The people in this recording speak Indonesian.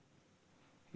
deputi kemimpinan pemuda